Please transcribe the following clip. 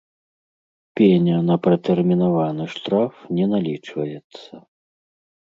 Пеня на пратэрмінаваны штраф не налічваецца.